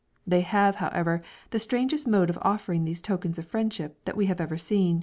They have, however, the strangest mode of offering these tokens of friendship that we have ever seen.